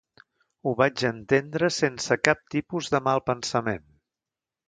Ho vaig entendre sense cap tipus de malpensament.